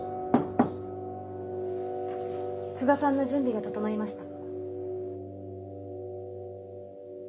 久我さんの準備が整いました。